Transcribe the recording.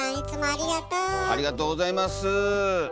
ありがとうございます。